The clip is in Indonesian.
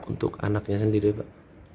untuk anaknya sendiri pak